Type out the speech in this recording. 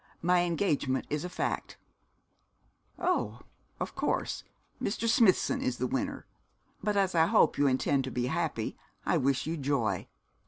My engagement is a fact.' 'Oh, of course, Mr. Smithson is the winner. But as I hope you intend to be happy, I wish you joy.